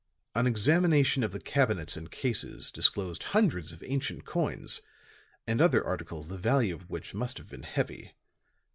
An examination of the cabinets and cases disclosed hundreds of ancient coins and other articles the value of which must have been heavy.